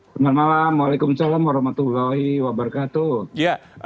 selamat malam waalaikumsalam warahmatullahi wabarakatuh